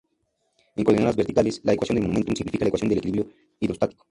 En coordenadas verticales, la ecuación de momentum simplifica la ecuación de equilibrio hidrostático.